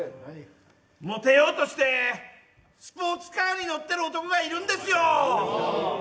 もてようとしてスポーツカーに乗ってる男がいるんですよ。